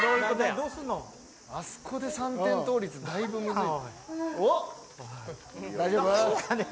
あそこで３点倒立だいぶ難しい。